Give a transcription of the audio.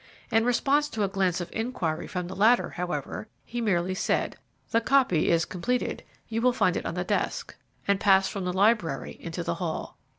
In response to a glance of inquiry from the latter, however, he merely said, "The copy is completed. You will find it on the desk," and passed from the library into the hall.